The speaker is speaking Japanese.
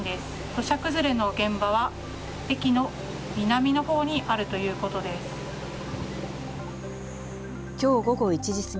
土砂崩れの現場は駅の南のほうにあるということです。